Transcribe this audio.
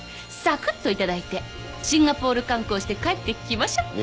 さくっと頂いてシンガポール観光して帰ってきましょ。